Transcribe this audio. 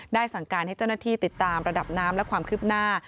สั่งการให้เจ้าหน้าที่ติดตามระดับน้ำและความคืบหน้า